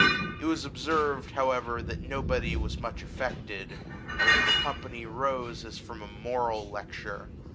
It was observed, however, that nobody was much affected, and that the company rose as from a moral lecture.